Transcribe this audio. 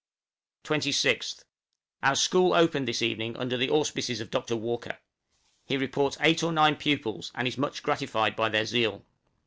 26th. Our school opened this evening, under the auspices of Dr. Walker. He reports eight or nine pupils, and is much gratified by their zeal.